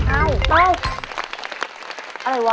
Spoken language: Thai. เอ้าอะไรหวะ